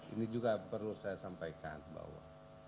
ini juga perlu saya sampaikan bahwa